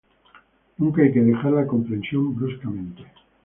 Nunca hay que dejar la compresión bruscamente.